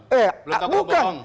belum tahu kebohongan